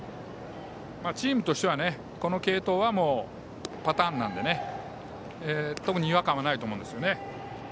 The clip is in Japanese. チームとしてはこの継投はもうパターンなので特に違和感はないと思うんです。